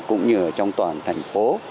cũng như ở trong toàn thành phố